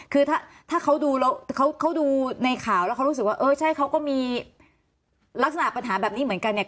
คือถ้าเขาดูแล้วเขาดูในข่าวแล้วเขารู้สึกว่าเออใช่เขาก็มีลักษณะปัญหาแบบนี้เหมือนกันเนี่ย